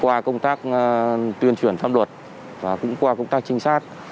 qua công tác tuyên truyền pháp luật và cũng qua công tác trinh sát